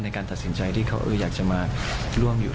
ในการตัดสินใจที่เขาอยากจะมาร่วมอยู่